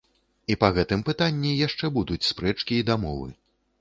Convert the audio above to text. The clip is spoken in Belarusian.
І па гэтым пытанні яшчэ будуць спрэчкі і дамовы.